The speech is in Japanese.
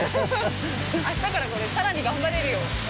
あしたから、さらに頑張れるよ。